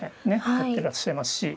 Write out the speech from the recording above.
やってらっしゃいますし。